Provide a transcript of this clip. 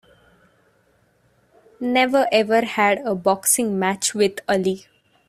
Never ever have a boxing match with Ali!